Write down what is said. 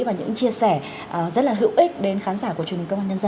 và những chia sẻ rất là hữu ích đến khán giả của truyền hình công an nhân dân